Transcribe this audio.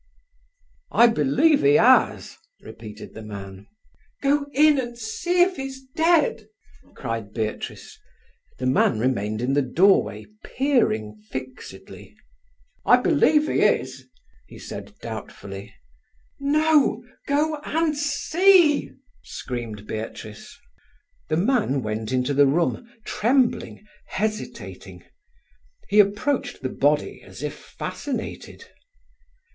"I believe 'e 'as!" repeated the man. "Go in and see if he's dead!" cried Beatrice. The man remained in the doorway, peering fixedly. "I believe he is," he said doubtfully. "No—go and see!" screamed Beatrice. The man went into the room, trembling, hesitating. He approached the body as if fascinated.